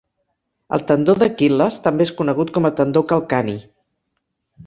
El tendó d'Aquil·les també és conegut com a tendó calcani.